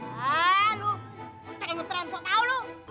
haa lu betel betelan sok tau lu